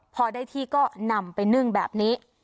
พอได้ที่ก็นำไปนึ่งแบบนี้